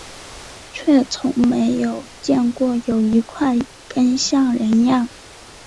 却从来没有见过有一块根像人样